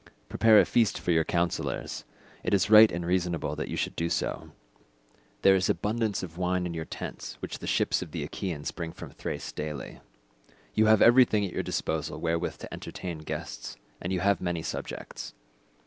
Prepare a feast for your councillors; it is right and reasonable that you should do so; there is abundance of wine in your tents, which the ships of the Achaeans bring from Thrace daily. You have everything at your disposal wherewith to entertain guests, and you have many subjects.